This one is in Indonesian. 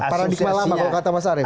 paradigma lama kalau kata mas arief